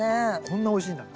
こんなおいしいんだ。